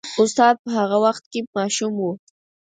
استاد په هغه وخت کې ماشوم و.